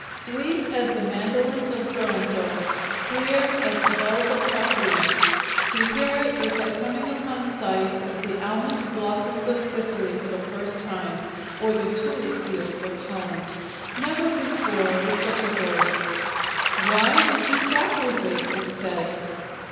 Sweet as the mandolins of Sorento! Clear as the bells of Capri! To hear it, was like coming upon sight of the almond blossoms of Sicily for the first time, or the tulip fields of Holland. Never before was such a voice! "Why did you stop, Rufus?" it said.